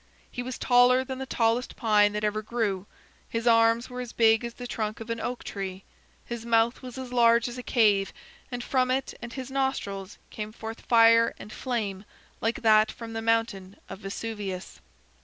He was taller than the tallest pine that ever grew. His arms were as big as the trunk of an oak tree. His mouth was as large as a cave, and from it and his nostrils came forth fire and flame like that from the mountain of Vesuvius.